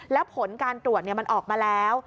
แล้วผลการตรวจมันออกมาแล้ว